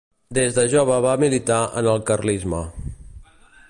Des de jove va militar en el carlisme.